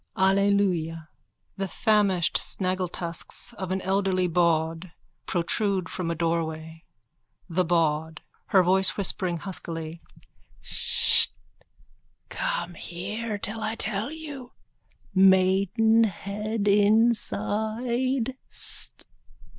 Alleluia_. (The famished snaggletusks of an elderly bawd protrude from a doorway.) THE BAWD: (Her voice whispering huskily.) Sst! Come here till I tell you. Maidenhead inside.